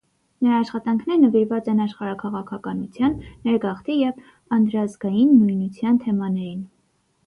Նրա աշխատանքները նվիրված են աշխարհաքաղաքականության, ներգաղթի և անդրազգային նույնության թեմաներին։